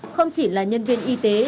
không chỉ là nhân viên y tế